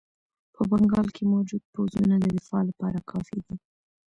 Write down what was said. په بنګال کې موجود پوځونه د دفاع لپاره کافي دي.